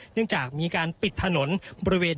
เนื่องจากมีการปิดถนนบริเวณ